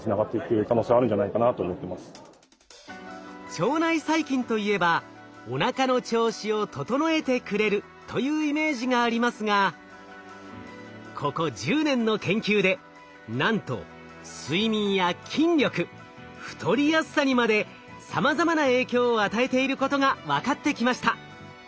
腸内細菌といえばおなかの調子を整えてくれるというイメージがありますがここ１０年の研究でなんと睡眠や筋力太りやすさにまでさまざまな影響を与えていることが分かってきました。